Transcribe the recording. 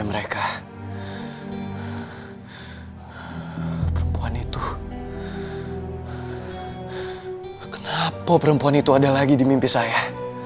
perempuan itu kenapa perempuan itu ada lagi di mimpi saya